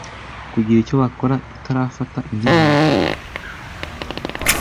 kugira icyo bakora itarafata indi ntera.